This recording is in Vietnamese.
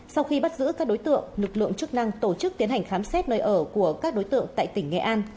sau khi bắt giữ các đối tượng lực lượng chức năng tổ chức tiến hành khám xét nơi ở của các đối tượng tại tỉnh nghệ an